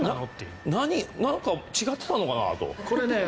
なんか違ってたのかなと。